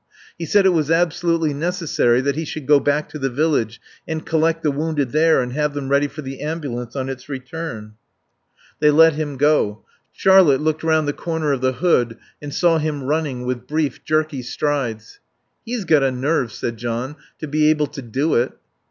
He said it was absolutely necessary that he should go back to the village and collect the wounded there and have them ready for the ambulance on its return. They let him go. Charlotte looked round the corner of the hood and saw him running with brief, jerky strides. "He's got a nerve," said John, "to be able to do it."